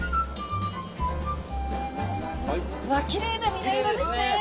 わっきれいな身の色ですね。